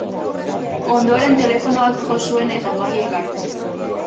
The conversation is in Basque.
Ondoren, telefonoak jo zuen, eta Maggiek hartu.